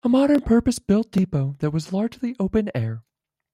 A modern purpose built depot that was largely open air.